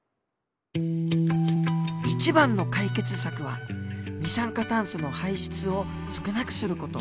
一番の解決策は二酸化炭素の排出を少なくする事。